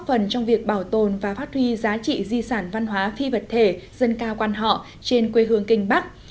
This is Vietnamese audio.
góp phần trong việc bảo tồn và phát huy giá trị di sản văn hóa phi vật thể dân cao quan họ trên quê hương kinh bắc